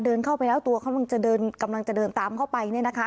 เดินเข้าไปแล้วตัวเขากำลังจะเดินกำลังจะเดินตามเข้าไปเนี่ยนะคะ